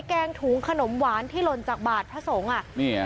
แกงถุงขนมหวานที่หล่นจากบาทพระสงฆ์อ่ะ